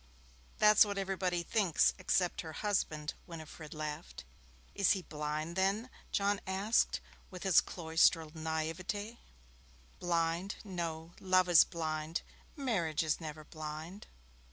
'That is what everybody thinks, except her husband,' Winifred laughed. 'Is he blind then?' asked John with his cloistral naïveté. 'Blind? No, love is blind. Marriage is never blind.'